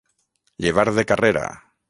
Llevar de carrera.